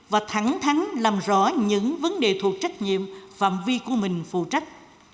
và thẳng thắn làm rõ những vấn đề thuộc trách nhiệm phạm vi của mình phụ trách